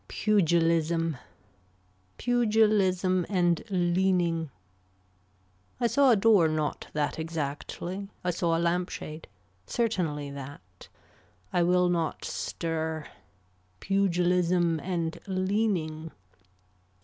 Pugilism. Pugilism and leaning. I saw a door not that exactly, I saw a lamp shade. Certainly that. I will not stir. Pugilism and leaning.